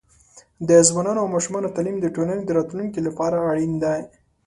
د ځوانانو او ماشومانو تعليم د ټولنې د راتلونکي لپاره اړین دی.